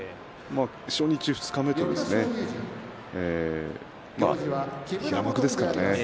初日、二日目と平幕ですからね。